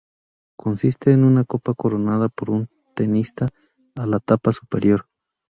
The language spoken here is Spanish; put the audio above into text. Consiste en una copa coronada por un tenista a la tapa superior.